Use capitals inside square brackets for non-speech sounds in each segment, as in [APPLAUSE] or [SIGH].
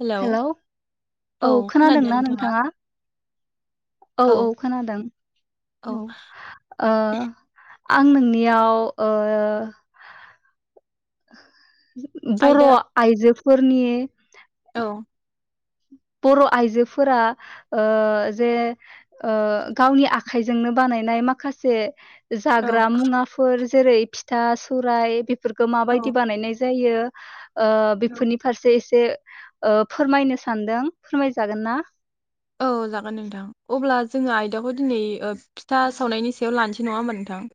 Hello hello औ खोनादोंना नोंथाङा। औ औ खोनादों औ आं नोंनियाव ओ बर' आयदा आइजो फुरनिय अ बर' आइजोफोरा ओ जे ओ गावनि आ आखाइजोंनो बानायनाय माखासे जाग्रा मुवाफोर जेरै फिथा सौरायाइ बे औ माबायदि बानायनाय जायो। बेफोरनि फारसे एसे फोरमायनो सानदों। फोरमायजागोन ना? औ जागोन नोंथां अब्ला जोङो आयदाखौ दिनै फिथा सावनायनि सायाव लानोसै नङा होमा नोंथां।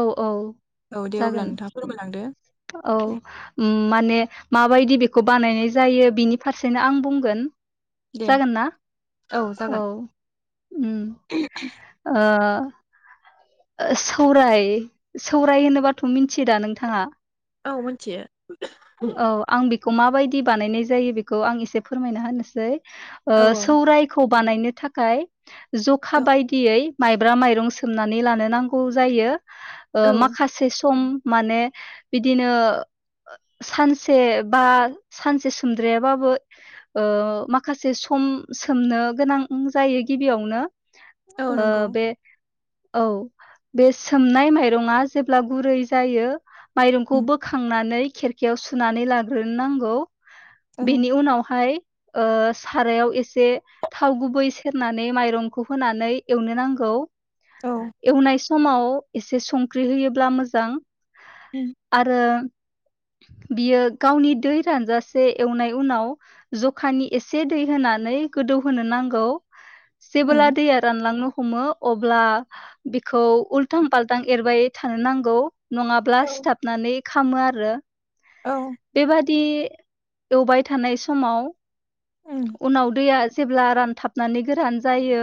औ औ। औ दे अब्ला जागोन नोंथाङा फोरमायलांदो। औ दे माने माबायदि बेखौ बानायनाय जायो बिनि फारसेनो आं बुंगोन। दे जागोनना? औ उ ओ [INAUDIBLE] सौराय सौराय होनोबाथ' मिथि दा नोंथाङा? औ मिथियो। औ आं बेखौ खौ माबायदि बानायनाय जायो बेखौ आं एसे फोरमायना होनोसै। औ सौरायाइखौ बानायनो थाखाय जखा औ बायदियै माइब्रा माइरं सोमनानै लानो नांगौ जायो। औ माखासे सम माने बिदिनो सानसे बा सानसे सोमद्रायाबाबो ओ माखासे सम सोमनो गोनां जायो गिबियावनो औ ओ नंगौ बे औ बे सोमनाय माइरङा जेब्ला गुरै जायो। माइरंखौ उम बोखांनानै बियाव सुनानै लाग्रोनांगौ उम बेनि उनावहाय ओ सारायाव एसे थाव गुबै सेरनानै माइरंखौ होनानै एवनो नांगौ। औ एवनाय समाव एसे संख्रि होयोब्ला मोजां उम आरो बियो गावनि दै रानजासे एवनाय उनाव जखानि एसे दै होनानै गोदौहोनो नांगौ। जेबोला उम दैया रानलांङो हमो अब्ला बिखौ उल्थां फाल्थां एरबाय थानो नांगौ। नङाब्ला औ सिथाबनानै खामो आरो औ बिदि एवबाय थानाय समाव उम उनाव दैया जेब्ला रानथाबनानै गोरान जायो।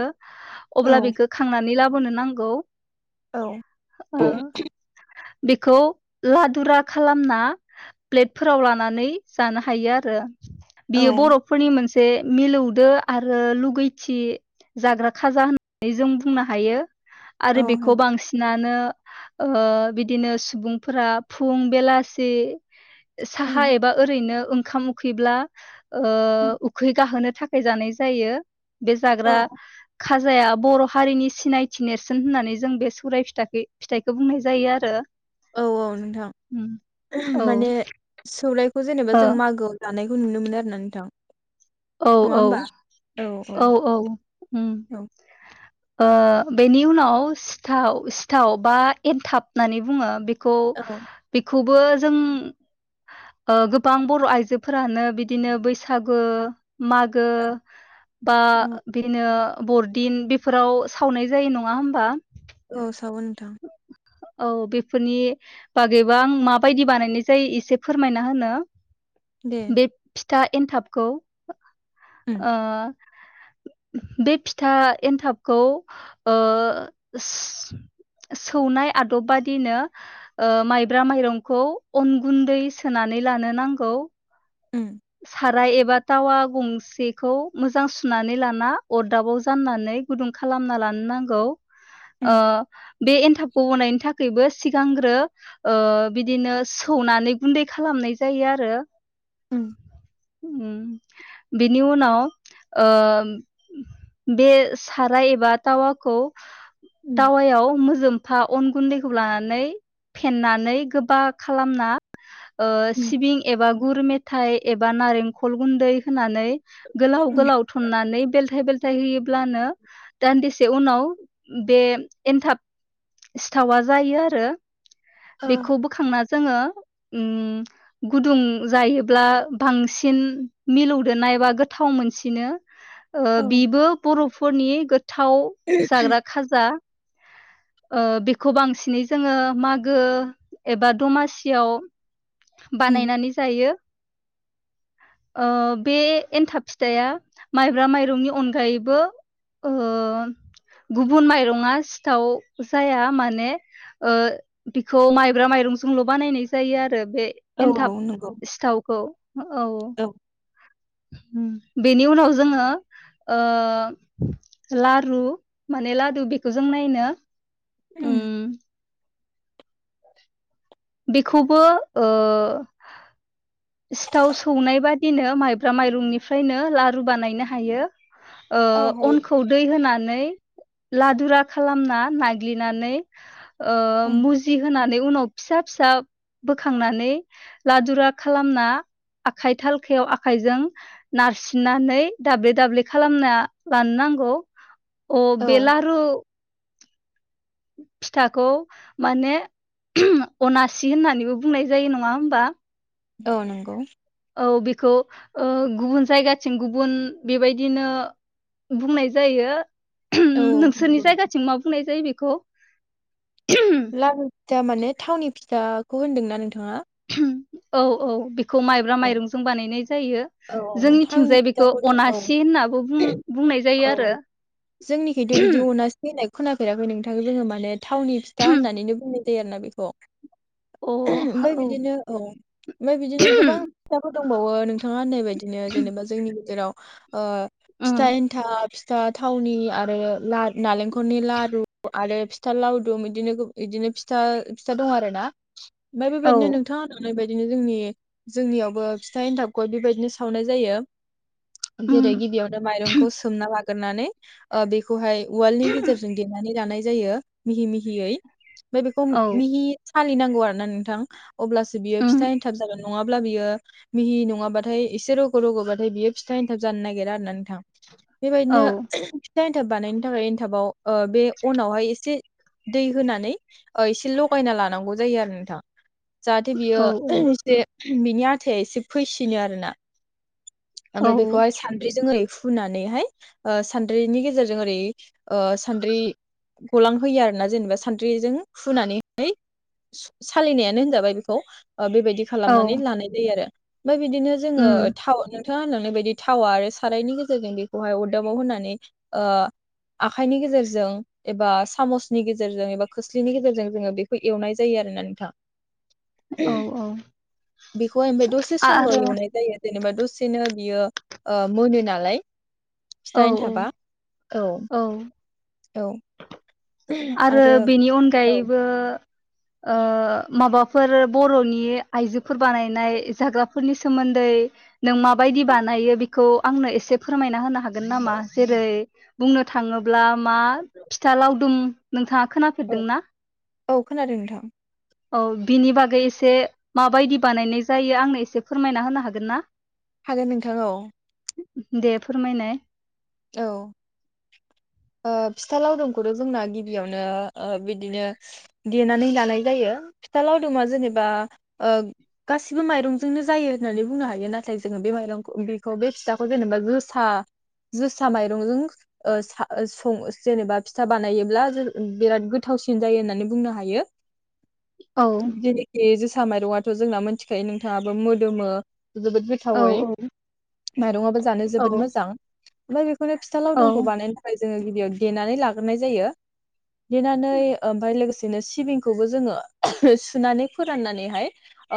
औ अब्ला बेखौ खांनानै लाबो बोनो नांगौ औ ओ बेखौ लादुरा खालामना प्लेटफोराव लानानै जानो हायो आरो औ बियो बर' नि मोनसे मिलौदो आरो लुगैथि जाग्रा खाजा होननानै जों बुंनो हायो। औ आरो बेखौ हायो बांसिनानो ओ बिदिनो सुबुंफोरा फुं बेलासि उम साहा एबा ओरैनो ओंखाम उखैब्ला ओ उखै गाहोनो थाखाय जानाय जायो बे औ जाग्रा औ खाजाया बर' हारिनि सिनायथि नेरसोन होननानै जों बे सौराय फिथा फिथाइखौ बुंनाय जायो आरो। औ औ नोंथां उम औ माने सौराय जेनेबा ओ जों मागोआव जानाय खौ नु मोनो आरो ना नोंथां। औ नङा औ होमबा? औ औ उम। औ ओ बेनि उनाव सिथाव सिथाव बा एनथाब होननानै बुङो औ बे बेखौ खौबो जों ओ गोबां बर' आइजोफोरानो बिदिनो बैसागो मागो बा औ बिनो बरदिन बेफोराव सावनाय जायो नङा होमबा? औ सावो नोंथां। औ बेफोरनि बागैबो आं माबायदि बानायनाय जायो एसे फोरमायना होनो। दे बे फिथा एन्थाबखौ उम ओह बे फिथा एन्थाबखौ ओ सौनाय आदबबादिनो ओ माइब्रा माइरंखौ अन गुन्दै सोनानै लानो नांगौ। उम साराय एबा थावा गंसेखौ मोजां सुनानै लाना अरदाबाव जाननानै गुदुं खालामना लानो नांगौ। उम ओ बे एन्थाबखौ बनायनि थाखायबो सिगांग्रो ओ बिदिनो सौनानै गुन्दै खालामनाय जायो आरो। उम उम बेनि उनाव बे साराय एबा टावाखौ उम टावायाव मोजोम एफा अन गुन्दैखौ लानानै फेननानै गोबा खालामना ओ उम सिबिं एबा गुर मेथ थाइ एबा नारेंखल गुन्दै होनानै गोलाव उम गोलाव थननानै बेलथाय बेलथाय होयोब्लानो दान्दि से उनाव बे एनथाब सिथावा जायो आरो। औ बेखौ बोखांना जोङो उम गुदुं जायो ब्ला बांसिन मिलौदोनाय एबा गोथाव मोनसिनो। ओ औ बिबो बर'फोरनि गो थाव जाग्रा खाजा। ओ बेखौ बांसिनै जोङो मागो एबा दमासियाव उम बानायनानै जायो। ओ बे एन्थाब फिथाया माइब्रा माइरंनि अनगायैबो ओ गुबुन माइरङआ सिथाव जाया माने ओ बिखौ माइब्रा माइरंजोंल' बानायनाय जायो आ बे औ एन्थाब औ नंगौ सिथावखौ औ। उम बेनि उनाव जोङो ओ लारु माने लदु बेखौ जों नायनो उम। बेखौबो ओ सिथाव सौनाय बादिनो माइब्रा माइरंनिफ्रायनो लारु बानायनो हायो ओ औ हायो अनखौ दै होना लादुरा खालामना नाग्लिनानै ओ उम मुजि होना नै उनाव फिसा फिसा बोखांनानै लादुरा खालामना आखाइ थालखायाव आखाइजों नारसिननानै दाब्ले दाब्ले खालामना लानो नांगौ अ औ बेेलारु फिथाखौ माने अनासि होननानैबो बुंनाय जायो नङा होमबा? औ नंगौ। औ बेखौ ओ गुबुन जायगाथिं गुबुन बेबायदिनो बुंनाय जायो औ नोंसोरनि नंगौ नोंथां जायगाथिं मा बुंनाय जायो बे खौ। लालिु फिथा माने थावनि फिथाखौ होनदोंना नोंथाङा? औ औ। खौ माइब्रा औ माइरंजों बानायनाय जायो औ औ थावनि जोंनिथिंजाय बेखौ फिथाखौथ' औ अनासि होननाबो बुं बुंनाय जायो औ आरो जोंनिखायथ' बिदि अनास होन्नाय खोनाफेराखै नोंथां जोङो माने थावनि फिथा होननानैनो बुंनाय आरोना बेखौ अ ओमफफ्राय बिदिनो औ ओमफ्राय बिदिनो गोबां [UNINTELLIGIBLE] दंबावो नों [UNINTELLIGIBLE] बिदिनो जेनेबा जोंनि गेजेराव ओ फिथा एनथाब फिथा थावनि आरो नालेंखलनि लारु आरो फिथा लावदुम इदिनो इदिनो फिथा फिथा दं आरो ना ओमफ्राय औ बेबायदिनो नोंथाङा होनलांनाय बायदि इदिनो जोंनि जोंनियावबो फिथा एन्थाब गय बेबायदिनो सावनाय जायो। उम औ जेरै उम गिबियावनो माइरंखौ सोमना ला गोरनानै ओ बे खौहाय उवालनि गेजेरजों देनानै लानाय जायो। मिहि मि हियै। ओमफाय बेखौ औ मिहि फालिनांगौ आरोना नोंथां। अब्लासो बियो उम फिथा एनथाब जागोन। नङाब्ला बियो मिहि नङा बाथाय एसे रग' रग'बाथाय बियो फिथा एन्थाब जानो नागिरा आरोना नोंथां। औ बेबायदिनो फिथा एन्थाब बानायनो थाखाय एन्थाबाव ओ बे अनावहाय एसे दै होनानै ओ एसे लगायना लानांगौ जायो आरो नोंथां। जाहाथे औ बियो एसे बिनि आथाया एसे फै सिनो आरोना। औ ओमफाय बेखौहाय सानद्रिजों ओरै फुनानैहाय ओ सान्द्रैनि गेजेरजों ओरै ओ सान्द्रि गलांहोयो आरोना जेनेबा सान्द्रिजों फुनानैहाय सालिनायानो होनजाबाय बेखौ। ओ बेबायदि औ खालामनानै लानाय जायो आरो ओमफाय बिदिनो जोङो उम [INAUDIBLE] नोंथाङा होनलांनाय बायदि थावा आरो सारायनि गेजेरजों बेखौहाय अदाबाव होनानै ओ आखाइनि गेजेरजों एबा सामसनि गेजेरजों एबा खोस्लिनि गेजेरजों जोङो बेखो एवनाय जायो आरोना नोथां। औ औ बेखौ ओमफाय दसे आरो [UNINTELLIGIBLE] एवनाय जायो। जेनेबा दसेनो बियो ओ मोनो नालाय फिथा औ एन्थाबा औ औ। औ। आरो बिनि औ अनगायैबो ओ माबाफोर बर'नि आइजोफोर बानायनाय जाग्राफोरनि सोमोन्दै नों माबायदि बानायो बिखौ आंनो एसे फोरमायना होनो हागोन नामा? जेरै बुंनो थाङोब्ला मा फिथा लावदुम नोंथा खोनाफेरदों औ ना? औ खोनादों नोंथां। औ बिनि बागै एसे माबायदि बानायनाय जायो आंनो एसे फोरमायना होनो हागोन ना? हागोन नोंथां औ। दे फोरमायनाय। औ ओ फिथा लावदुमखौथ' जोंना गिबियावनो ओ बिदिनो देनानै लानाय जायो फिथा लावदुमा जेनेबा ओ गासिबो माइरंजोंनो जायो होननानै बुंनो हायो नाथाय जोङो बे माइरं बेखौ बे फिथाखौ जेनेबा जोसा जोसा माइरंजों ओ सा सं जेनेबा फिथा बानायोब्ला जों बिराद गोथावसिन जायो होननानै बुंनो हायो। औ [UNINTELLIGIBLE] सा माइरंआथ' जोंना मिथिखायो नोंथाङाबो मोदोमो जोबोद औ गोथावै माइरंआबो जानो जोबोद मोजां। ओमफ्राय बेखौनो फिथा औ लावदुमखौ बानायनो थाखाय जोङो गिबियाव देनानै लाग्रोनाय जायो। देनानै ओमफ्राय लोगोसे बिदिनो सिबिंखौबो जोङो सुनानै फोराननानैहाय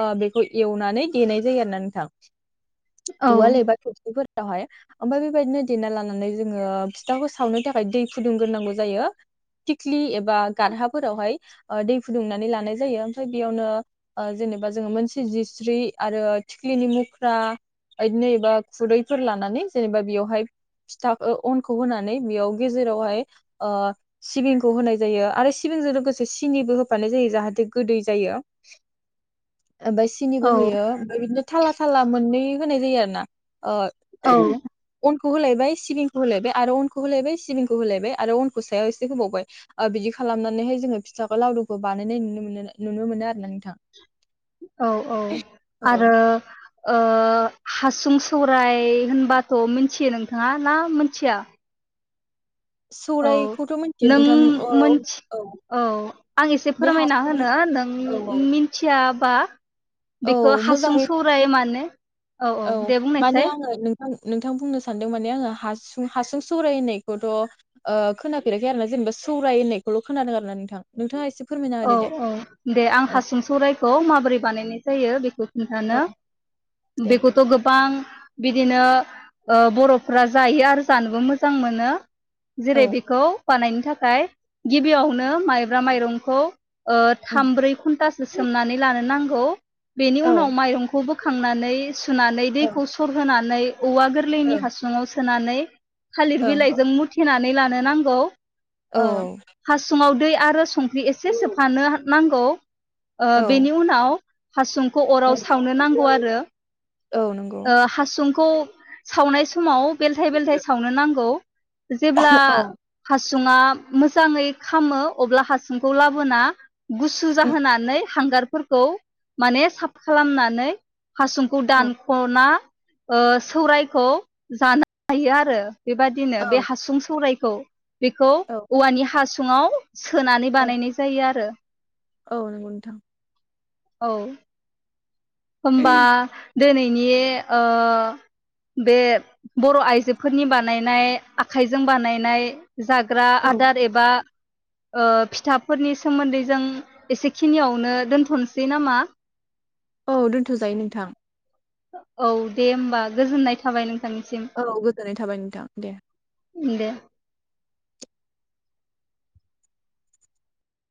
ओ बेखौ एवनानै देनाय जायो आरो ना नोंथां। औ उवाल एबार थुर [UNINTELLIGIBLE] फोरावहाय ओमफाय बे बायदिनो देना लानानै जोङो फिथाखौ सावनो थाखाय दै फुदुंग्रोनांगौ जायो थिख्लि एबा गारहाफोरावहाय ओ दै फुदुंनानै लानाय जायो ओमफ्राय बेयावनो ओ जेनेबा जोङो मोनसे जिस्रि आरो थिख्लिनि मुख्रा बिदिनो एबा खुरैफोर लानानै जेनेबा बेयावहाय फिथा अनखौ होनानै बेयाव गेजेरावहाय ओ सिबिंखौ होनाय जायो आरो सिबिंजों लोगोसे सिनिबो होफानाय जायो जाहाथे गोदै जायो। ओमफ्राय सिनिबो औ होयो ओमफ्राय बिदिनो थाला थाला मोननै होनाय जायो आरो ना औ ओ अ खौ होलायबाय सिबिंखौ होलायबाय आरो अनखौ होलायबाय सिबिंखौ होलायबाय आरो अनखौ सायाव एसे होबावबाय बिदि खालामनानैहाय जोङो फिथाखौ लावदुंखौ बानायनाय नुनो मोनो नुनो मोनो आरो ना नोंथां औ औ औ आरो ओ हासुं सौराय होनबाथ' मिथियो नोंथाङा ना मिथिया? औ सौरायखौथ' मिथियो नों नोंथां औ मोनथि औ आं एसे बे फोरमायना हासुं होनो नों औ औ मिथिया बा औ बेखौ हासुं मोजाङै सौराय मानो औ औ दे बुंनायसाय आं नोंथां बुंनो सानदों माने आङो हासुं हासुं सौराय होननायखौथ ओ' खोनाफेराखै आरोना जेनेबा सौराय होननायखौल' खोनादों आरोना नोंथां नोंथाङा एसे फोरमायना होदो औ दे औ दे आं औ हासुं सौरायखौ माबोरै बानायनाय जायो बे औ नोंथांनो दे बेखौथ' गोबां बिदिनो ओ बर'फ्रा जायो आरो जानोबो मोजां मोनो। औ जेरै बेखौ बानायनो थाखाय गिबियावनो माइब्रा माइरं खौ ओ ओं थाम ब्रै घन्टासो सोमनानै लानो नां गौ बेनि औ उनाव माइरंखौ बोखांनानै सुनानै ओं दैखौ सरहोनानै औवा गोरलैनि ओं हासुङाव सोनानै थालिर ओं बिलाइजों मुथिनानै ला नो नांगौ औ अ' हासुंमाव दै आरो संख्रि ए एसे सोफानो नांगौ औ बेनि उनाव हासुंखौ अराव सावनो नांगौ आरो औ नंगौ हासुंखौ सावनाय समाव बेलथाय बेलथाय सावनो नांगौ जेब्ला औ हासुङा मोजाङै खामो अब्ला हासुंखौ लाबोना गुसु उम जाहोनानै हांगारफोरखौ माने साफा खालामनानै हासुंखौ औ दान सौरायखौ जानो हायो आरो बेबादिनो बे औ हासुं सौराय औ बेखौ औ औवानि हास सुंङाव सोनानै औ बानायनाय जायो आरो औ नंगौ नोंथां औ होमबा दिनैनि बे बर' आइजोफोरनि बानायनाय आखाइजों बानायनाय। जाग्रा औ आदार एबा फिथाफोरनि सोमोन्दै जों एसेखिनियावनो दोनथ'सै नामा औ दोनथ'जायो नोंथां औ दे होमबा गोजोननाय थाबाय नों औ गोजोननाय थाबाय नोंथां दे इ द [UNINTELLIGIBLE]